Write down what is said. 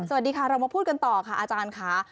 สวัสดีค่ะเรามาพูดกันต่อค่ะอาจารย์ค่ะ